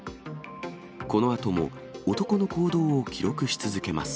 このあとも男の行動を記録し続けます。